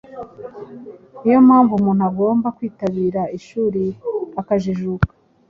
Ni yo mpamvu umuntu agomba kwitabira ishuri akajijuka,